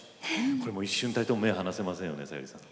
これ一瞬たりとも目を離せませんよねさゆりさん。